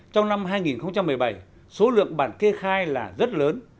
trong năm hai nghìn một mươi bảy số lượng bản kê khai là rất lớn